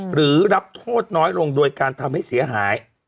หรือรับโทษน้อยลงโดยการทำให้เสียหาย